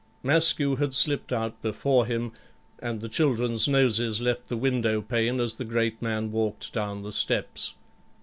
Maskew had slipped out before him, and the children's noses left the window pane as the great man walked down the steps.